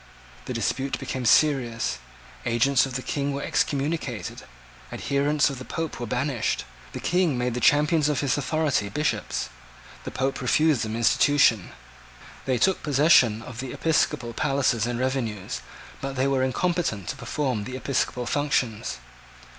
The dispute became serious. Agents of the King were excommunicated. Adherents of the Pope were banished. The King made the champions of his authority Bishops. The Pope refused them institution. They took possession of the Episcopal palaces and revenues: but they were incompetent to perform the Episcopal functions.